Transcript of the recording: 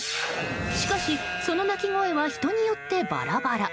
しかし、その鳴き声は人によってバラバラ。